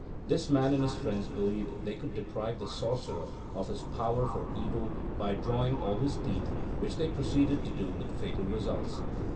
This man and his friends believed that they could deprive the sorcerer of his power for evil by drawing all his teeth, which they proceeded to do with fatal results.